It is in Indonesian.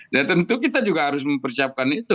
dan tentu kita juga harus mempersiapkan itu